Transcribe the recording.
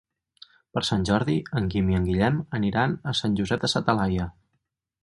Per Sant Jordi en Guim i en Guillem aniran a Sant Josep de sa Talaia.